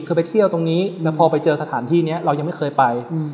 คือไปเที่ยวตรงนี้แล้วพอไปเจอสถานที่นี้เรายังไม่เคยไป